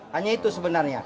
hanya itu sebenarnya